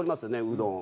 うどん。